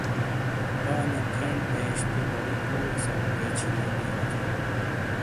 بانیو کھین ایش تو باؤوئی پُورے سَمُوٹے چھُرونی اواجئی